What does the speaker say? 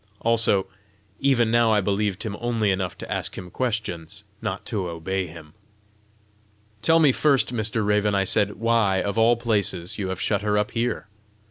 Alas, even now I believed him only enough to ask him questions, not to obey him! "Tell me first, Mr. Raven," I said, "why, of all places, you have shut her up there!